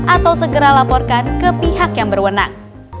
atau segera laporkan ke pihak yang berwenang